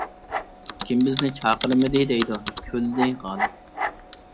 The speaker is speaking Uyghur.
— كىم بىزنى چاقىرمىدى دەيدۇ، — كۈلدى غالىپ.